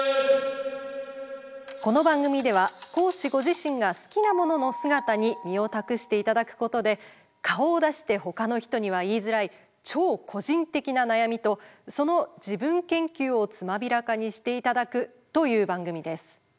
この番組では講師ご自身が好きなものの姿に身を託していただくことで顔を出して他の人には言いづらい超個人的な悩みとその自分研究をつまびらかにしていただくという番組です。